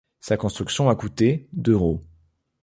Sa construction a coûté d'euros.